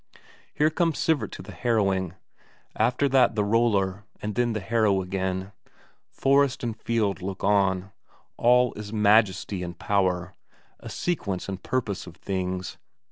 Here comes Sivert to the harrowing; after that the roller, and then the harrow again. Forest and field look on. All is majesty and power a sequence and purpose of things.